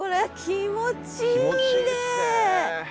気持ちいいですね！